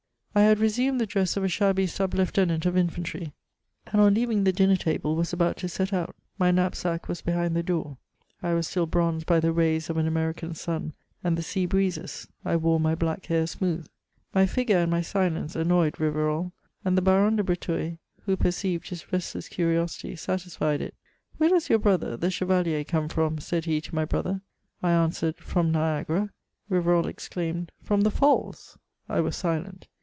I had resumed the dress of a shabby sub lieutenant of infantry, and on leaving the dinner table was about to set out ; my knapsack was behind the door. I was still bronzed by the rays of an American sun and the sea breezes. I wore my black nair smooth, j^ figure and n^ silence annoyed Rivarol ; and the Baron de Breteuil, who per ceived his restless curiosity, satisfied it :Where does yoor brother the chevalier come from T' said he to my brother. I answered, From Niagara." Rivarol exclaimed, '^ From the falls ?" I was silent.